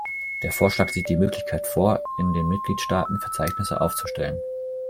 Der Vorschlag sieht die Möglichkeit vor, in den Mitgliedsstaaten Verzeichnisse aufzustellen.